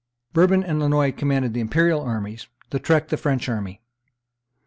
Bourbon and Lannoy commanded the imperial armies, Lautrec the French army.